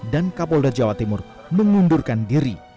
dan kapolda jawa timur mengundurkan diri